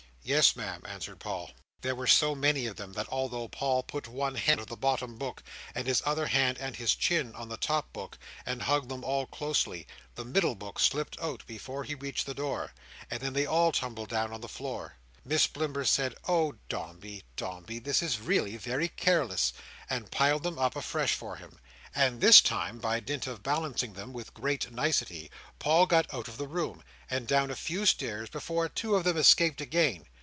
"Yes, Ma'am," answered Paul. There were so many of them, that although Paul put one hand under the bottom book and his other hand and his chin on the top book, and hugged them all closely, the middle book slipped out before he reached the door, and then they all tumbled down on the floor. Miss Blimber said, "Oh, Dombey, Dombey, this is really very careless!" and piled them up afresh for him; and this time, by dint of balancing them with great nicety, Paul got out of the room, and down a few stairs before two of them escaped again.